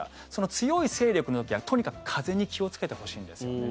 強い勢力の時はとにかく風に気をつけてほしいんですよね。